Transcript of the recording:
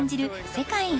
世界一